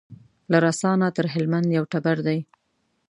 له رسا نه تر هلمند یو ټبر دی